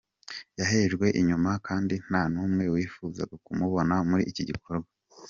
Yahejejwe inyuma kandi nta n’umwe wifuzaga kumubona muri iki gikorwa,”